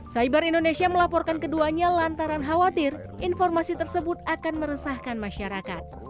cyber indonesia melaporkan keduanya lantaran khawatir informasi tersebut akan meresahkan masyarakat